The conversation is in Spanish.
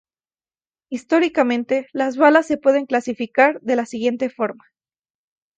Históricamente, las balas se pueden clasificar de la siguiente forma.